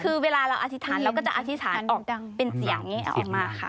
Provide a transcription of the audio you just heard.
คือเวลาเราอธิษฐานเราก็จะอธิษฐานเป็นเสียงอย่างนี้ออกมาค่ะ